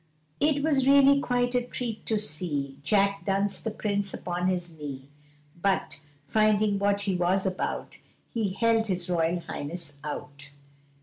It was really quite a treat to see Jack dance the Prince upon his knee But, finding what he was about, He held his Royal Highness out!